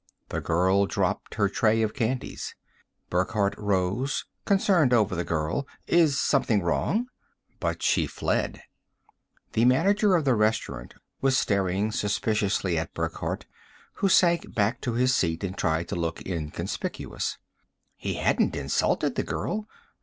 The girl dropped her tray of candies. Burckhardt rose, concerned over the girl. "Is something wrong?" But she fled. The manager of the restaurant was staring suspiciously at Burckhardt, who sank back in his seat and tried to look inconspicuous. He hadn't insulted the girl!